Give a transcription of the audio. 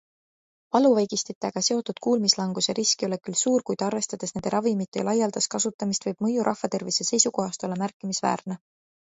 Valuvaigistitega seotud kuulmislanguse risk ei ole küll suur, kuid arvestades nende ravimite laialdast kasutamist, võib mõju rahvatervise seisukohast olla märkimisväärne.